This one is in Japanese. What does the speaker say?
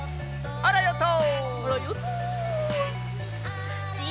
あらヨット！